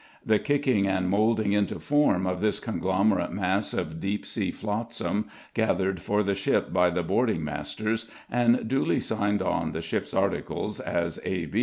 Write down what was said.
The kicking and moulding into form of this conglomerate mass of deep sea flotsam, gathered for the ship by the boarding masters, and duly signed on the ship's articles as A.